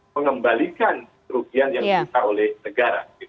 pengembalikan kerugian yang diperlukan oleh negara